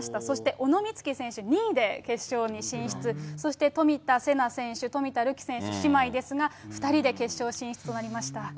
そして小野光希選手、２位で決勝に進出、そして冨田せな選手、冨田るき選手、姉妹ですが、２人で決勝進出となりました。